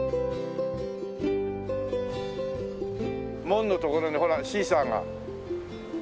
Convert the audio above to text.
門の所にほらシーサーが。